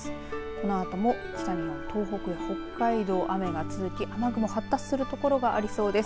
このあとも北日本、東北や北海道雨が続き、雨雲発達するところがありそうです。